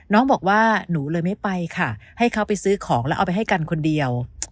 น้องบอกว่าหนูเลยไม่ไปค่ะให้เขาไปซื้อของแล้วเอาไปให้กันคนเดียว